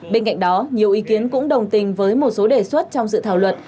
bên cạnh đó nhiều ý kiến cũng đồng tình với một số đề xuất trong dự thảo luật